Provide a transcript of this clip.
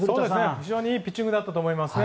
非常にいいピッチングだったと思いますね。